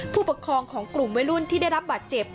ผู้ปกครองของกลุ่มวัยรุ่นที่ได้รับบาดเจ็บ